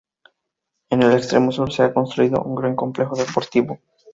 En el extremo sur se ha construido un gran complejo deportivo.